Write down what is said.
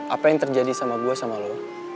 apa yang terjadi sama gue sama lo